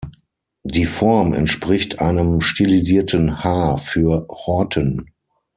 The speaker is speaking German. Die Form entspricht einem stilisierten "H" für "Horten".